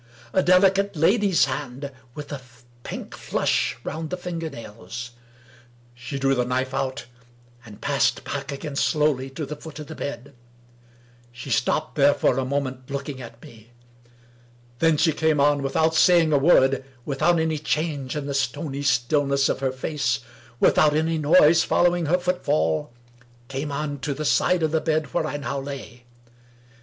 A delicate lady's hand,, with a pink flush round the finger nails. She drew the knife out, and passed back again slowl)r to the foot of the bed; she stopped there for a moment 231 English Mystery Stories looking at me ; then she came on without saying a word ; without any change in the stony stillness of her face ; with out any noise following her footfall— came on to the side of the bed where I now lay.